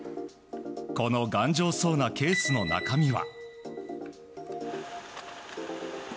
この頑丈そうなケースの中身は。